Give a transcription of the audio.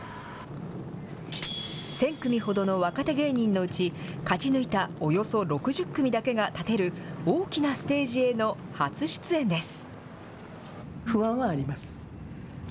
１０００組ほどの若手芸人のうち、勝ち抜いたおよそ６０組だけが立てる大きなステージへの初出演です。